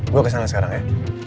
gue kesana sekarang ya